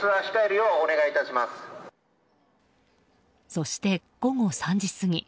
そして、午後３時過ぎ。